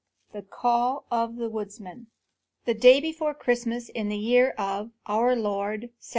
I THE CALL OF THE WOODSMAN I The day before Christmas, in the year of our Lord 722.